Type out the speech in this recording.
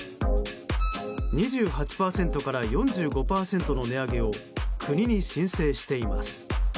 ２８％から４５％の値上げを国に申請しています。